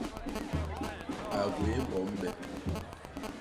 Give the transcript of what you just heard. A gwéé mbom be.